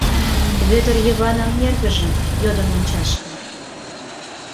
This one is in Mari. Вӧдыр Йыванын эргыжым йодын ончаш гын?